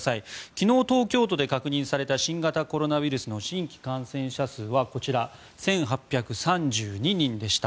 昨日、東京都で確認された新型コロナウイルスの新規感染者数は１８３２人でした。